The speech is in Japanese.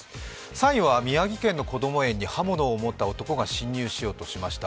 ３位は宮城県のこども園に刃物を持った男が侵入しようとしました。